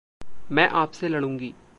मैं आप से लड़ूंगी।